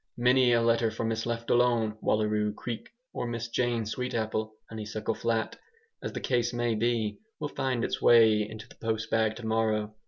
Many a letter for Mrs Leftalone, Wallaroo Creek, or Miss Jane Sweetapple, Honeysuckle Flat, as the case may be, will find its way into the post bag tomorrow.